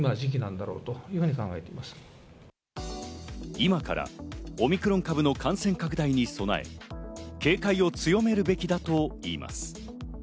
今からオミクロン株の感染拡大に備え、警戒を強めるべきだといいます。